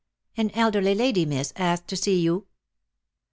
" An elderly lady, miss, asked to see you.''